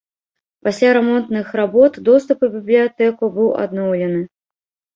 Пасля рамонтных работ доступ у бібліятэку быў адноўлены.